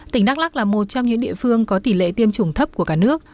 tỉnh đắk lắc là một trong những địa phương có tỷ lệ tiêm chủng thấp của cả nước